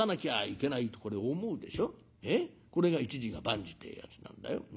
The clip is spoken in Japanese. これが一事が万事ってえやつなんだよ。